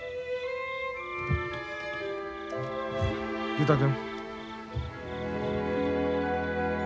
雄太君。